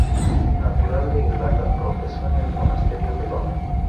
Natural de Irlanda, profesó en el monasterio de Iona.